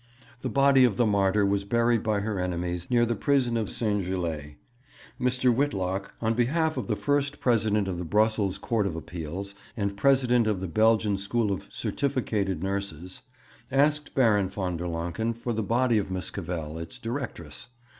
The body of the martyr was buried by her enemies near the prison of St. Gilles. Mr. Whitlock, on behalf of the First President of the Brussels Court of Appeals and President of the Belgian School of Certificated Nurses, asked Baron von der Lancken for the body of Miss Cavell, its directress.